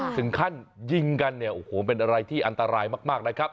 ถึงขั้นยิงกันเนี่ยโอ้โหเป็นอะไรที่อันตรายมากนะครับ